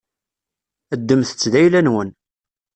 Ddmet-tt d ayla-nwen.